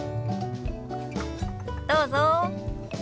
どうぞ。